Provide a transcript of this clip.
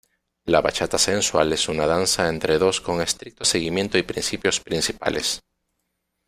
La bachata sensual es una danza entre dos con estricto seguimiento y principios principales.